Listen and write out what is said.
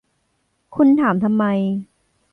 คุณถามทำไม